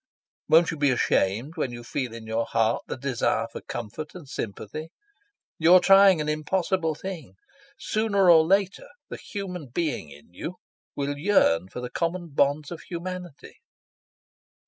Won't you be ashamed when you feel in your heart the desire for comfort and sympathy? You're trying an impossible thing. Sooner or later the human being in you will yearn for the common bonds of humanity."